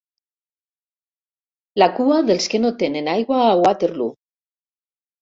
La cua dels que no tenen aigua a Waterloo.